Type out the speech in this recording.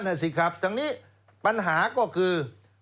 นั่นสิครับดังนี้ปัญหาก็คือ